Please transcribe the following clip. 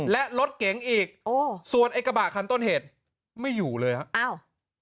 และลดเก๋งอีกส่วนไอ้กระบะคันต้นเหตุไม่อยู่เลยครับ